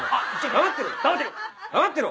黙ってろ。